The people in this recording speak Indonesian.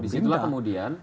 di situlah kemudian